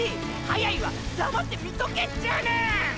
早いわ黙って見とけっちゅーねん！！